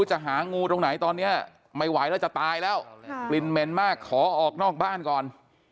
จี่ลเหม็นมากขอออกนอกบ้านก่อน